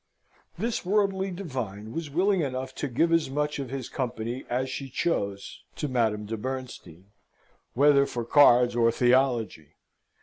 This worthy divine was willing enough to give as much of his company as she chose to Madame de Bernstein, whether for cards or theology.